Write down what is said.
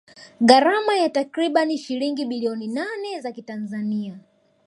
Gharama ya takribani shilingi bilioni nane za kitanzania